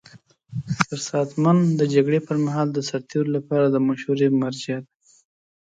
سرساتنمن د جګړې پر مهال د سرتیرو لپاره د مشورې مرجع دی.